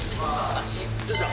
足どうした？